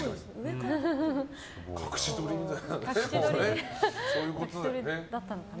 隠し撮りみたいな。